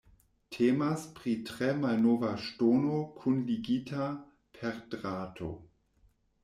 Temas pri tre malnova ŝtono kunligita per drato.